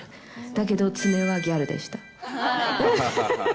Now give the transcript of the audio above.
だけど爪はギャルでした。